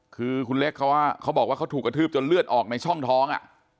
คือคุณเล็กเขาบอกว่าเขาถูกกระทืบจนเลือดออกในช่องท้อง